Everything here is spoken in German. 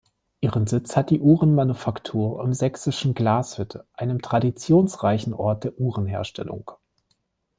Ihren Sitz hat die Uhrenmanufaktur im sächsischen Glashütte, einem traditionsreichen Ort der Uhrenherstellung.